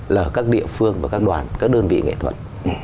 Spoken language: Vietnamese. là các địa phương và các đoàn các đơn vị nghệ thuật